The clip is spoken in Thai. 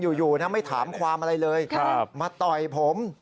อยู่ไม่ถามความอะไรเลยมาต่อยผม